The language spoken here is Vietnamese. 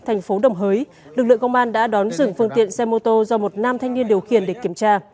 thành phố đồng hới lực lượng công an đã đón dừng phương tiện xe mô tô do một nam thanh niên điều khiển để kiểm tra